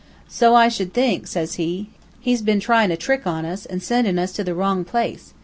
"'So I should think,' says he. 'He's been tryin' a trick on us, and sendin' us to the wrong place.